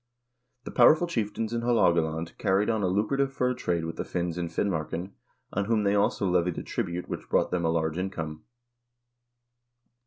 The powerful chieftains in Haalogaland carried on a lucrative fur trade with the Finns in Fin marken, on whom they also levied a tribute which brought them a large income.